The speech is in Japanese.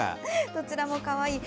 どちらもかわいい。